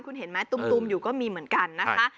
คุณเห็นไหมตุ้มอยู่ก็มีเหมือนกันนะคะ